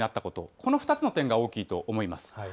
この２つの点が大きいと思います。